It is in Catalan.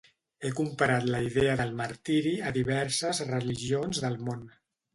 Ha comparat la idea del martiri a diverses religions del món.